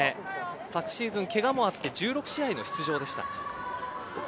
昨シーズンけがもあって１６試合の出場でした。